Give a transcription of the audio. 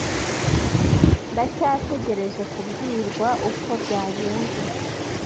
Ndacyategereje kubwirwa uko byagenze.